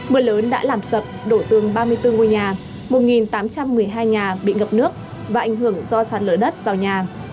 mưa lớn đã làm sập đổ tường ba mươi bốn ngôi nhà một tám trăm một mươi hai nhà bị ngập nước và ảnh hưởng do sạt lở đất vào nhà